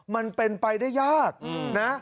มันเป็นไปได้ยากนะ